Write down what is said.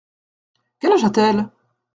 Quel âge a-t-elle ?